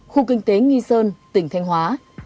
khu kinh tế nghi sơn tỉnh thanh hóa